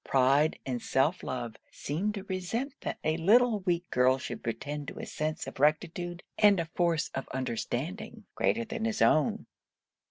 Pride and self love seemed to resent that a little weak girl should pretend to a sense of rectitude, and a force of understanding greater than his own.